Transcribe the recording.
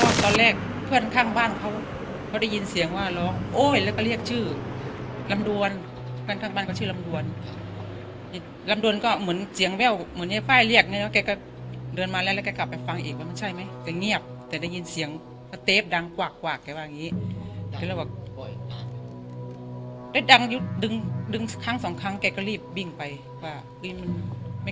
ก็ตอนแรกเพื่อนข้างบ้านเขาเขาได้ยินเสียงว่าร้องโอ๊ยแล้วก็เรียกชื่อลำดวนเพื่อนข้างบ้านเขาชื่อลำดวนก็ตอนแรกเพื่อนข้างบ้านเขาเขาได้ยินเสียงว่าร้องโอ๊ยแล้วก็เรียกชื่อลำดวนเพื่อนข้างบ้านเขาชื่อลำดวนก็ตอนแรกเพื่อนข้างบ้านเขาชื่อลำดวนก็ตอนแรกเพื่อนข้างบ้านเขาชื่อลำดวนก็